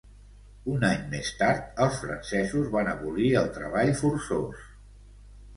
Un any més tard, els francesos van abolir el treball forçós.